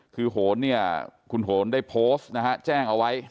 คือโหนเนี่ยคุณโหนได้โพสต์นะฮะแจ้งเอาไว้